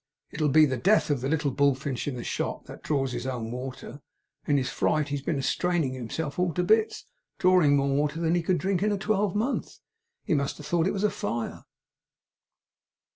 It'll be the death of the little bullfinch in the shop, that draws his own water. In his fright, he's been a straining himself all to bits, drawing more water than he could drink in a twelvemonth. He must have thought it was Fire!